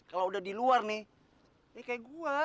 kalau udah di luar nih kayak gua